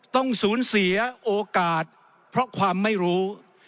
ต้องสูญเสียโอกาสเพราะความไม่รู้